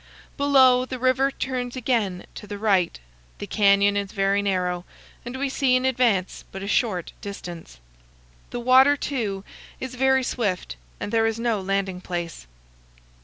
Below, the river turns again to the right, the canyon is very narrow, and we see in advance but a short distance. The water, too, is very swift, and there is no landing place.